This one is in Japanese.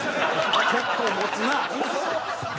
結構持つな。